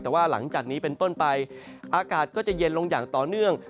แต่ว่าหลังจากนี้เป็นต้นไปอากาศก็จะเย็นลงอย่างต่อเนื่อง